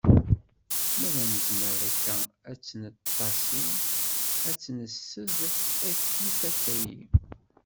Mi ara nezmer akka ad tt-neṭṭasi, ad tt-nessed akkit akkayi.